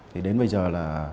thì đến bây giờ là